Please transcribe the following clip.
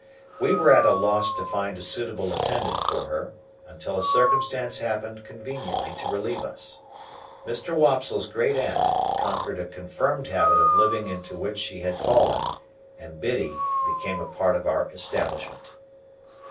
We were at a loss to find a suitable attendant for her, until a circumstance happened conveniently to relieve us. Mr. Wopsle's great aunt conquered a confirmed habit of living into which she had fallen, and Biddy became a part of our establishment.